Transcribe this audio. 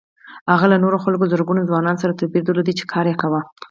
هغه له نورو هغو زرګونه ځوانانو سره توپير درلود چې کار يې کاوه.